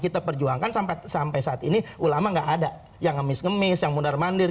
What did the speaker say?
kita perjuangkan sampai saat ini ulama gak ada yang ngemis ngemis yang mundar mandir